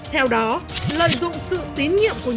theo đó lợi dụng sự tín nhiên